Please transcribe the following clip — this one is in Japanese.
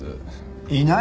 いない！？